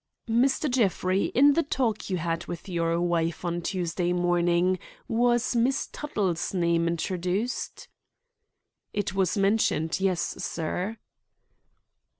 "Mr. Jeffrey, in the talk you had with your wife on Tuesday morning was Miss Tuttle's name introduced?" "It was mentioned; yes, sir."